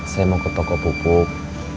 saya mau ke toko pupuk